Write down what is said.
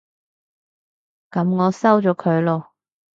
噉我收咗佢囉